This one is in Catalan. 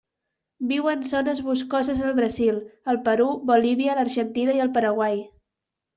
Viu en zones boscoses del Brasil, el Perú, Bolívia, l'Argentina i el Paraguai.